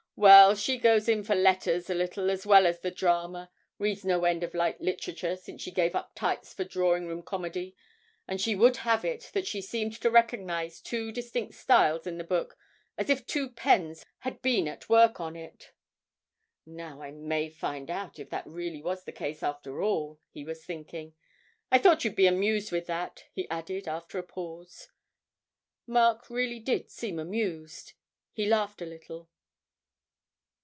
Well, she goes in for letters a little as well as the drama, reads no end of light literature since she gave up tights for drawing room comedy, and she would have it that she seemed to recognise two distinct styles in the book, as if two pens had been at work on it.' ('Now I may find out if that really was the case after all,' he was thinking.) 'I thought you'd be amused with that,' he added, after a pause. Mark really did seem amused; he laughed a little.